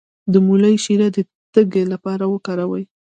د مولی شیره د تیږې لپاره وکاروئ